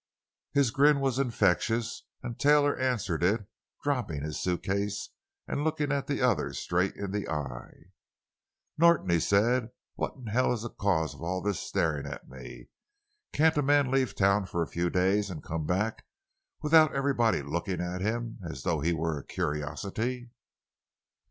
His grin was infectious and Taylor answered it, dropping his suitcase and looking the other straight in the eyes. "Norton," he said, "what in hell is the cause of all this staring at me? Can't a man leave town for a few days and come back without everybody looking at him as though he were a curiosity?"